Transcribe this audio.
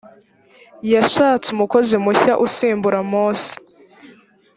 yashatse umukozi mushya usimbura mose